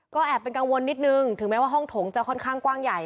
ก็แอบเป็นกังวลนิดนึงถึงแม้ว่าห้องโถงจะค่อนข้างกว้างใหญ่